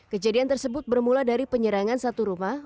kejadian tersebut bermula dari penyerangan satu rumah